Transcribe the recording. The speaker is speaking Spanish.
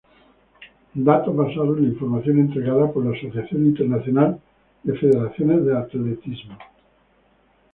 Datos basados en la información entregada por la "Asociación Internacional de Federaciones de Atletismo".